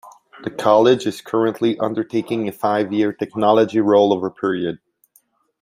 The College is currently undertaking a five-year technology roll over period.